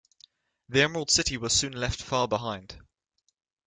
The Emerald City was soon left far behind.